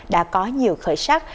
đã có nhiều khởi sát